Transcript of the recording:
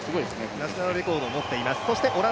ナショナルレコードを持っています。